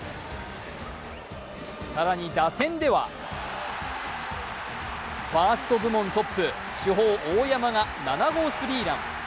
更に打線ではファースト部門トップ、主砲・大山が７号スリーラン。